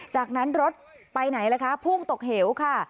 จากนั้นรถไปไหนล่ะคะพุ่งตกเหวค่ะ